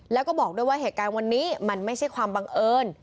แล้วก็บอกด้วยว่าเหตุการณ์วันนี้มันไม่ใช่ความบังเอิญ